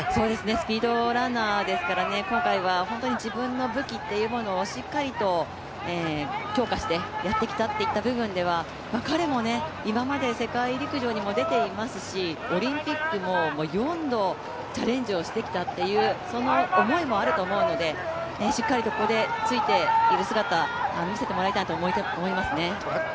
スピードランナーですから今回は自分の武器というのをしっかりと強化してやってきたという部分では彼も今まで世界陸上にも出ていますしオリンピックも４度チャレンジしてきたという、その思いもあると思うのでしっかりとこことついている姿を見せてもらいたいなと思いますね。